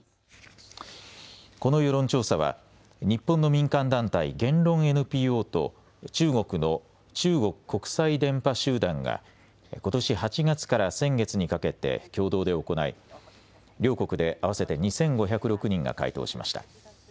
この世論調査は日本の民間団体、言論ＮＰＯと中国の中国国際伝播集団がことし８月から先月にかけて共同で行い両国で合わせて２５０６人が回答しました。